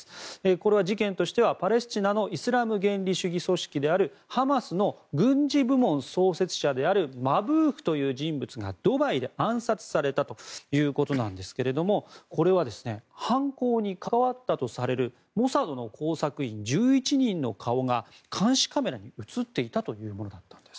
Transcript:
これは事件としてはパレスチナのイスラム原理主義組織であるハマスの軍事部門創設者であるマブーフという人物がドバイで暗殺されたということなんですがこれは犯行に関わったとされるモサドの工作員１１人の顔が監視カメラに映っていたというものだったんです。